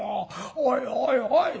「おいおいおい。